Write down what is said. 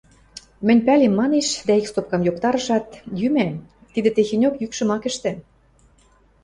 Мӹнь пӓлем, – манеш дӓ ик стопкам йоктарышат: – Йӱма, тидӹ тӹхеньок йӱкшым ак ӹштӹ...